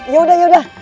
ya sudah ya sudah